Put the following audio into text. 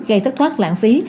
gây thất thoát lãng phí